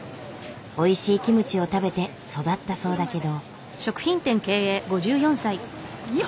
おいしいキムチを食べて育ったそうだけど。